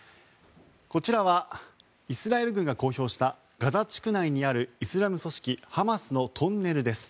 こちらはイスラエル軍が公表したガザ地区内にあるイスラム組織ハマスのトンネルです。